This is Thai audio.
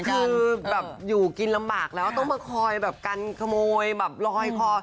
คือแบบอยู่กินลำบากแล้วต้องมาคอยแบบกันขโมยแบบลอยคอ